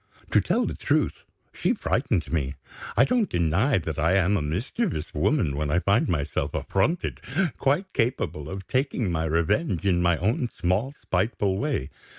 To tell the truth, she frightened me. I don't deny that I am a mischievous woman when I find myself affronted, quite capable of taking my revenge in my own small spiteful way.